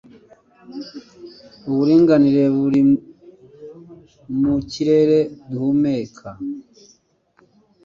Uburinganire buri mu kirere duhumeka.